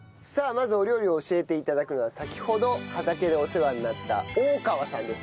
まずお料理を教えて頂くのは先ほど畑でお世話になった大川さんです。